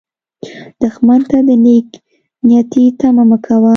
دښمن ته د نېک نیتي تمه مه کوه